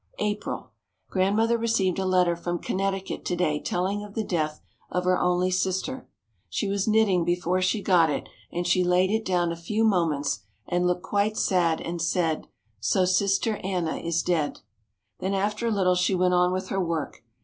April. Grandmother received a letter from Connecticut to day telling of the death of her only sister. She was knitting before she got it and she laid it down a few moments and looked quite sad and said, "So sister Anna is dead." Then after a little she went on with her work.